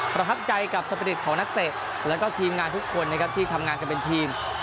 ประทับใจกับสปริตของนักเตะแล้วก็ทีมงานทุกคนนะครับที่ทำงานกันเป็นทีม